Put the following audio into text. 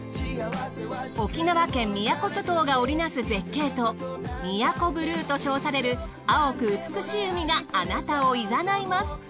沖縄県宮古諸島が織り成す絶景と宮古ブルーと称される青く美しい海があなたをいざないます。